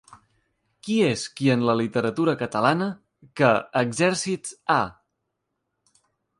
Qui és qui en la literatura catalana que Exèrcits Ha?